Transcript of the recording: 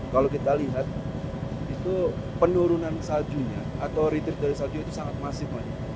kalau kita lihat itu penurunan saljunya atau retrie dari salju itu sangat masif